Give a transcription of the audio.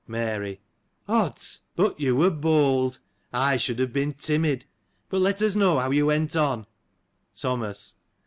Mary. — Odds ! but you were bold. I should have been timid. But, let us know how you went on. Thomas.